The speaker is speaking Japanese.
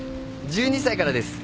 １２歳からです。